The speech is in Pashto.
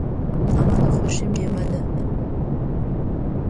آم زما د خوښې مېوه ده.